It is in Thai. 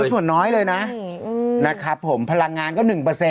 ส่วนน้อยเลยนะพลังงานก็๑